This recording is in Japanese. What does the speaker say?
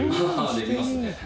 できますね。